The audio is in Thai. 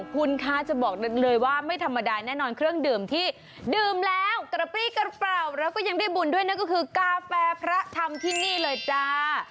คุณคะจะบอกเลยว่าไม่ธรรมดาแน่นอนเครื่องดื่มที่ดื่มแล้วกระปรี้กระเป๋าแล้วก็ยังได้บุญด้วยนั่นก็คือกาแฟพระธรรมที่นี่เลยจ้า